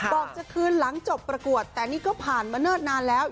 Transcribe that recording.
บอกจะคืนหลังจบประกวดแต่นี่ก็ผ่านมาเนิ่นนานแล้ว